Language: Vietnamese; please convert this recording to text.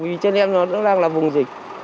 vì trên em nó đang là vùng dịch